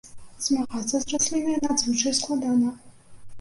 Змагацца з раслінай надзвычай складана.